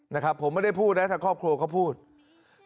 ว่าทำไมทำกับลูกเราอย่างนี้